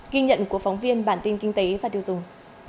ghi nhận của phóng viên bản tin kinh tế và tiêu dùng